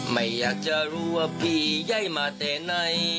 ไม่อยากจะรู้ว่าพี่ใหญ่มาแต่ไหน